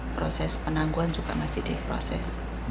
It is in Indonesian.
proses penangguhan juga masih diproses